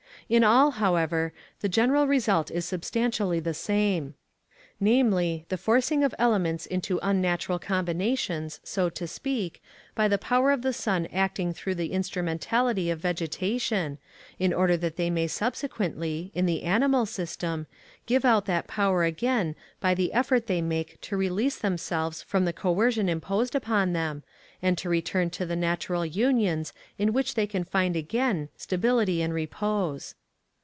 In all, however, the general result is substantially the same namely, the forcing of elements into unnatural combinations, so to speak, by the power of the sun acting through the instrumentality of vegetation, in order that they may subsequently, in the animal system, give out that power again by the effort they make to release themselves from the coercion imposed upon them, and to return to the natural unions in which they can find again stability and repose.